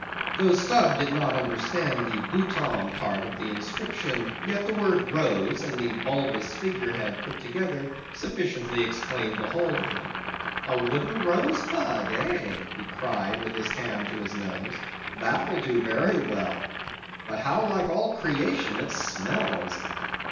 Though Stubb did not understand the Bouton part of the inscription, yet the word rose, and the bulbous figure head put together, sufficiently explained the whole to him. "A wooden rose bud, eh?" he cried with his hand to his nose, "that will do very well; but how like all creation it smells!"